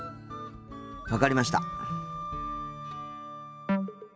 分かりました。